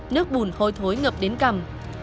nước bùn hôi thối ngập đến cằm